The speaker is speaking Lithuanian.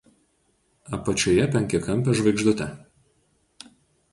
Apačioje penkiakampė žvaigždutė.